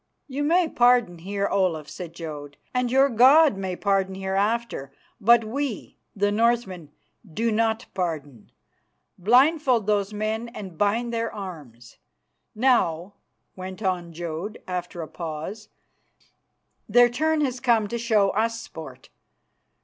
"You may pardon here, Olaf," said Jodd, "and your God may pardon hereafter, but we, the Northmen, do not pardon. Blindfold those men and bind their arms. Now," went on Jodd after a pause, "their turn has come to show us sport.